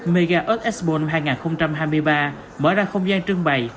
mega us expo năm hai nghìn hai mươi ba mở ra không gian trưng bày